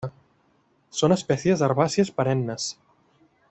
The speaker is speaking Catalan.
Són espècies herbàcies perennes.